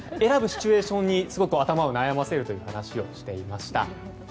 選ぶシチュエーションにすごく頭を悩ませるという話をしていました。